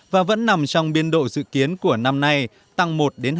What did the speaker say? và vẫn nằm trong biên độ dự kiến của năm nay tăng một hai